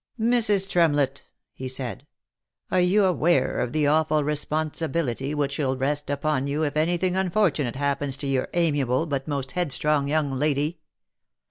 " Mrs. Tremlett I" he said, (( are you aware of the awful respon sibility which will rest upon you if any thing unfortunate happens to your amiable, but most headstrong young lady